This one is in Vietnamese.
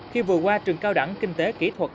khi vừa qua trường cao đẳng kinh tế kỹ thuật